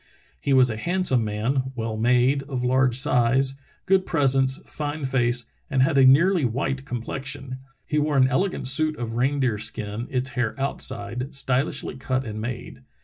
"He was a handsome man, well made, of large size, good pres ence, fine face, and had a nearly white complexion. He wore an elegant suit of reindeer skin, its hair outside, stylishl)^ cut and made.